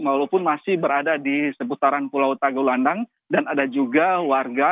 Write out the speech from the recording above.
walaupun masih berada di seputaran pulau tagolandang dan ada juga warga